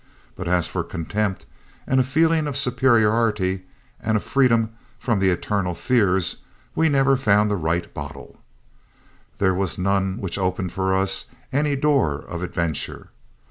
But as for contempt and a feeling of superiority and a freedom from the eternal fears, we never found the right bottle. There was none which opened for us any door of adventure.